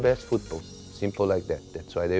เป็นแบบนี้แล้วก็คือเขาจะข้างล่าง